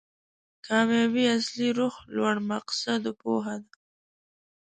کامیابي اصلي روح لوړ مقاصدو پوهه ده.